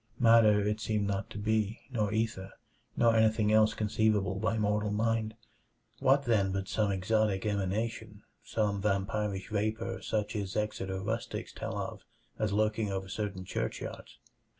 Matter it seemed not to be, nor ether, nor anything else conceivable by mortal mind. What, then, but some exotic emanation; some vampirish vapor such as Exeter rustics tell of as lurking over certain churchyards?